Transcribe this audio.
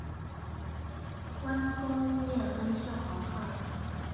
观功念恩是好汉